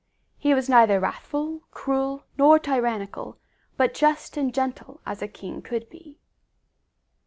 He was neither wrathful, cruel, nor tyrannical, but just and gentle as a king could be.